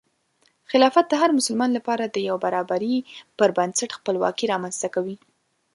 خلافت د هر مسلمان لپاره د یو برابري پر بنسټ خپلواکي رامنځته کوي.